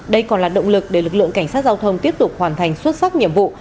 đây còn là động lực để lực lượng cảnh sát giao thông tiếp tục hoàn thành xuất sắc nhiệm vụ